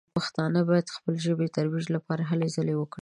پښتانه باید د خپلې ژبې د ترویج لپاره هلې ځلې وکړي.